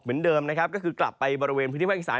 เหมือนเดิมก็คือกลับไปบริเวณพฤติอิขตาฯ